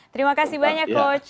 terima kasih banyak coach